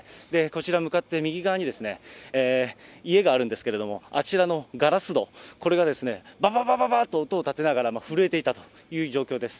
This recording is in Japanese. こちら、向かって右側に家があるんですけれども、あちらのガラス戸、これが、ばばばばばっと、音をたてながら震えていたという状況です。